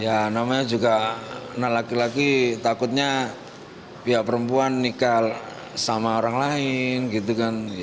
ya namanya juga anak laki laki takutnya pihak perempuan nikah sama orang lain gitu kan